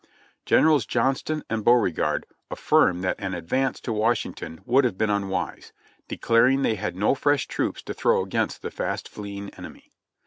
Generals Johnston and Beauregard affirm that an advance to Washington would have been unwise ; declaring they had no fresh troops to throw against the fast fleeing enemy.